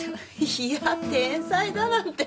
いや天才だなんて。